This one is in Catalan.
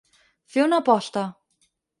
Fer una aposta.